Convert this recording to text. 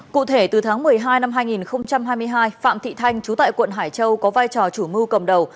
cụ thể từ tháng một mươi hai năm hai nghìn hai mươi hai phạm thị thanh chú tại quận hải châu có vai trò chủ mưu cầm đầu